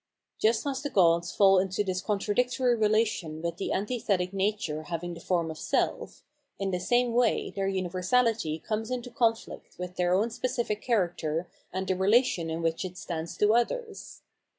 Just as the gods fall into this contradictory relation with the antithetic nature having the form of self, in the same way their universality comes into conflict with their own specific character and the relation in which it stands to others.